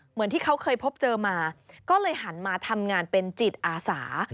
เหมือนที่เขาเคยพบเจอมาก็เลยหันมาทำงานเป็นจิตอาสา